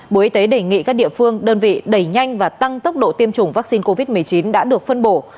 bộ y tế đề nghị các địa phương đơn vị đẩy nhanh và tăng tốc độ tiêm chủng vaccine covid một mươi chín đã được phân bổ